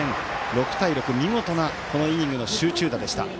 ６対６、見事なこのイニングの集中打でした。